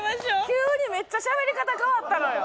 急にめっちゃしゃべり方変わったのよ。